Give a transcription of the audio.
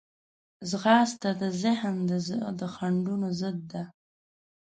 ځغاسته د ذهن د خنډونو ضد ده